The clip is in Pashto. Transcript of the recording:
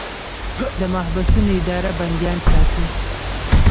د محبسونو اداره بندیان ساتي